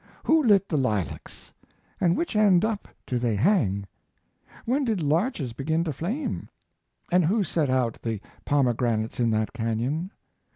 Who lit the lilacs, and which end up do they hang? When did larches begin to flame, and who set out the pomegranates in that canyon?